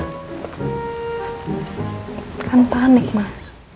kan panik mas